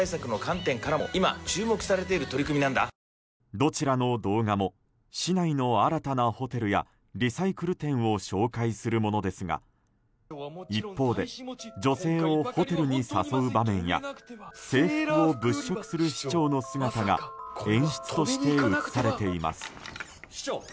どちらの動画も市内の新たなホテルやリサイクル店を紹介するものですが一方で女性をホテルに誘う場面や制服を物色する市長の姿が演出として映されています。